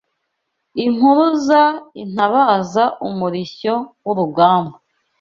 Impuruza, intabaza Umurishyo w’urugamba